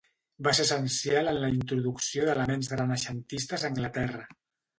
Va ser essencial en la introducció d'elements renaixentistes a Anglaterra.